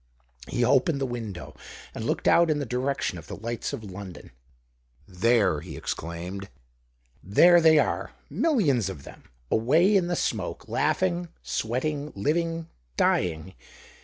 He opened the window, and looked out in the direction of the lights of London. " There 1 " he exclaimed. " There they are, millions of them, away in the smoke, laugh ing, sweating, living, dying